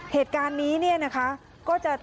เหตุการณ์นี้เนี่ยนะคะก็จะ